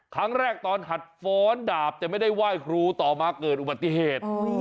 ตอนแรกตอนหัดฟ้อนดาบแต่ไม่ได้ไหว้ครูต่อมาเกิดอุบัติเหตุ